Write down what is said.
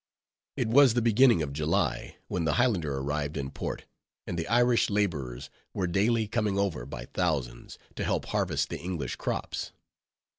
It was the beginning of July when the Highlander arrived in port; and the Irish laborers were daily coming over by thousands, to help harvest the English crops.